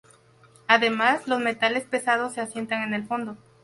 Además, los metales pesados se asientan en el fondo.